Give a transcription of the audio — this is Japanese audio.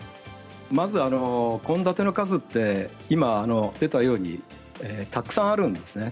まず献立の数って今、出たようにたくさんあるんですね。